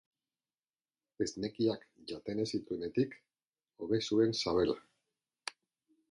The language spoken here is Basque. Esnekiak jaten ez zituenetik hobe zuen sabela.